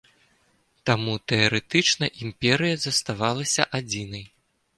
Таму тэарэтычна імперыя заставалася адзінай.